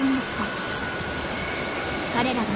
彼らが